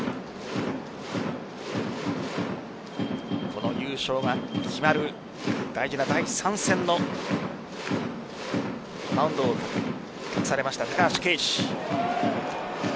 この優勝が決まる大事な第３戦のマウンドを託されました高橋奎二。